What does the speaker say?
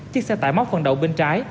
chiếc xe tải móc phần đầu bên trái